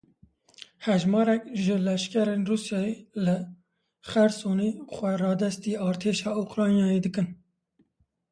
Hejmarek ji leşkerên Rûsyayê li Xersonê xwe radestî artêşa Ukryanayê dikin.